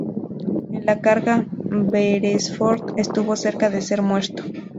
En la carga, Beresford estuvo cerca de ser muerto.